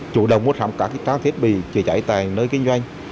chủ động mua sắm các trang thiết bị chữa cháy tại nơi kinh doanh